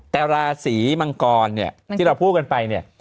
แต่ราศีมังกรเนี่ยที่เราพูดกันไปเนี่ย